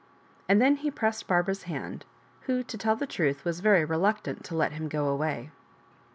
And then he pressed Barbara's hand, who, to tell the truth, was very reluctant to let him go away.